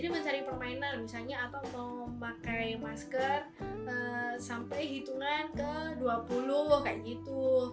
mencari permainan misalnya atau memakai masker sampai hitungan ke dua puluh kayak gitu